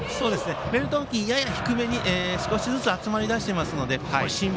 ベルト付近のやや低めに少しずつ集まりだしていますので。